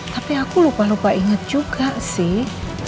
tapi aku lupa lupa ingat juga sih